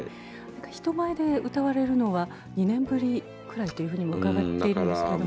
人前で歌われるのは２年ぶりくらいというふうにも伺っているんですけれども。